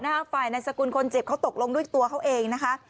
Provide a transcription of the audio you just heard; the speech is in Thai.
ฝ่ายนายสกุลคนเจ็บเขาตกลงด้วยตัวเขาเองนะคะ